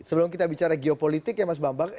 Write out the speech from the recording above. sebelum kita bicara geopolitik ya mas bambang